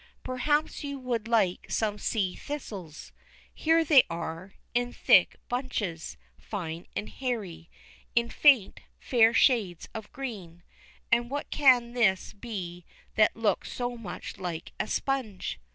Perhaps you would like some sea thistles. Here they are, in thick bunches, fine and hairy, in faint, fair shades of green. And what can this be that looks so much like a sponge?